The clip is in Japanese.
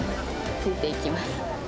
ついていきます。